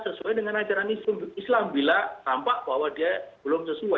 sehingga semuanya kita bineka tunggal ika